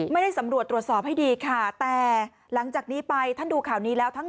ไม่ได้สำรวจตรวจสอบให้ดีค่ะแต่หลังจากนี้ไปท่านดูข่าวนี้แล้วทั้ง